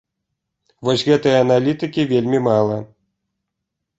Вось гэтай аналітыкі вельмі мала.